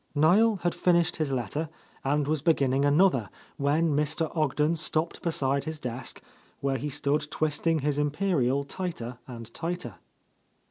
Niel had finished his letter and was beginning another, when Mr. Ogden stopped beside his desk, where he stood twisting his imperial tighter and tighter.